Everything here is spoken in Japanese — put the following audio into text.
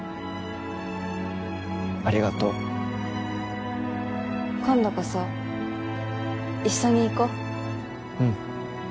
ありがとう今度こそ一緒に行こううん